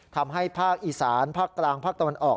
ภาคอีสานภาคกลางภาคตะวันออก